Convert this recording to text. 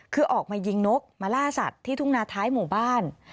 คือออกมายิงนกมาล่าสัตว์ที่ทุ่งนาท้ายหมู่บ้าน